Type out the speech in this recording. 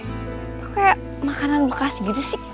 itu kayak makanan bekas gitu sih